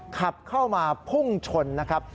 ขับเข้ามาพุ่งชนนะครับ